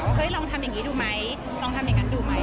ลองทำอย่างนี้ดูไหมลองทำอย่างนั้นดูไหม